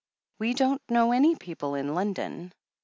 We don't know any people in London."